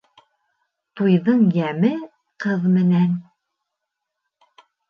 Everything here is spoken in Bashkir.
Туйҙың йәме ҡыҙ менән.